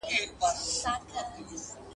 لیکوال د هرات او غزني ترمنځ اړیکي څېړي.